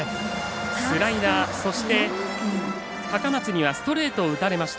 スライダーそして高松にはストレートを打たれました。